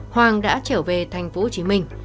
hoàng đã trở về thành phố hồ chí minh